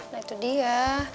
nah itu dia